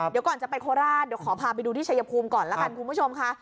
เดี๋ยวก่อนจะไปโคราชเดี๋ยวขอพาไปดูที่ชัยภูมิก่อนแล้วกันคุณผู้ชมค่ะ